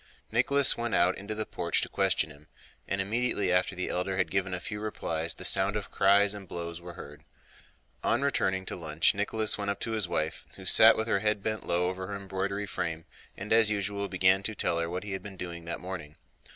Nicholas went out into the porch to question him, and immediately after the elder had given a few replies the sound of cries and blows were heard. On returning to lunch Nicholas went up to his wife, who sat with her head bent low over her embroidery frame, and as usual began to tell her what he had been doing that morning.